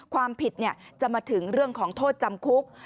ความผิดจะมาถึงเรื่องของโทษจำคุก